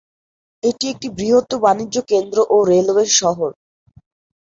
এটি একটি বৃহৎ বাণিজ্য কেন্দ্র ও রেলওয়ে শহর।